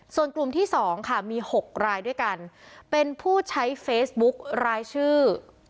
ส่วนกลุ่มที่๒ค่ะมี๖รายด้วยกันเป็นผู้ใช้เฟซบุ๊ครายชื่อ